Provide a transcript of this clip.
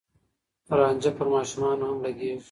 رانجه پر ماشومانو هم لګېږي.